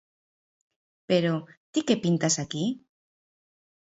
Pero, ti que pintas aquí?